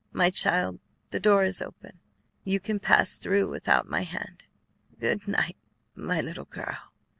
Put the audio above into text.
My child, the door is open; you can pass through without my hand. Good night, my little girl."